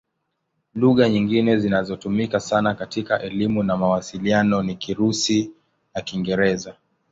Lugha nyingine zinazotumika sana katika elimu na mawasiliano ni Kirusi na Kiingereza.